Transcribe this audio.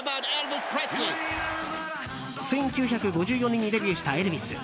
１９５４年にデビューしたエルヴィス。